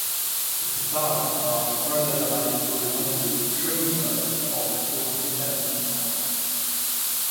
The facades are further divided horizontally with trim work above floors seven and nine.